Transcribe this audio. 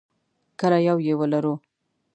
کله یو یې ولرو.